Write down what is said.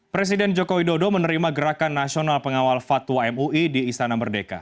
presiden joko widodo menerima gerakan nasional pengawal fatwa mui di istana merdeka